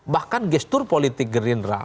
bahkan gestur politik gerindra